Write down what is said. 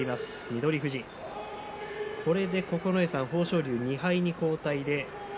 これで九重さん豊昇龍、２敗に後退です。